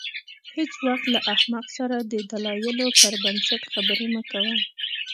هېڅ وخت له احمق سره د دلایلو پر بنسټ خبرې مه کوه.